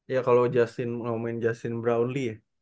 ya kalau ngomongin justin brownlee ya